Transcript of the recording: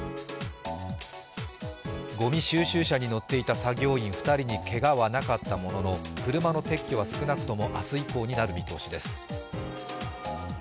ごみ収集車に乗っていた作業員２人にけがはなかったものの車の撤去は少なくとも明日以降になる見通しです。